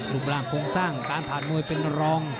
รูปร่างโครงสร้างการผ่านมวยเป็นรอง